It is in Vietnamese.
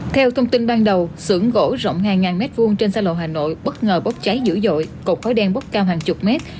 theo thông tin ban đầu xưởng gỗ rộng hàng ngàn mét vuông trên xa lộ hà nội bất ngờ bốc cháy dữ dội cột khói đen bốc cao hàng chục mét